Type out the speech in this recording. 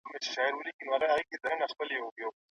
حضرت علي رضي الله عنه د هغې نکاح د ولي پرته تائيد کړه.